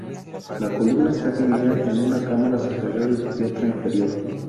La columna está dividida en una cámara superior y otra inferior.